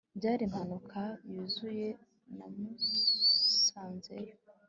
Byari impanuka yuzuye namusanzeyo